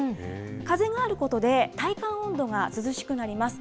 風があることで、体感温度が涼しくなります。